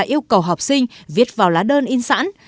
yêu cầu học sinh viết vào lá đơn in sẵn